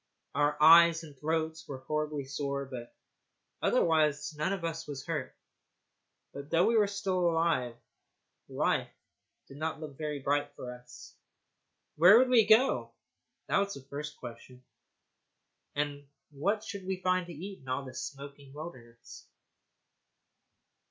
Our eyes and throats were horribly sore, but otherwise none of us was hurt. But though we were alive, life did not look very bright for us. Where should we go? That was the first question. And what should we find to eat in all this smoking wilderness?